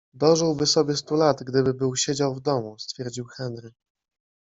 - Dożyłby sobie stu lat, gdyby był siedział w domu - stwierdził Henry.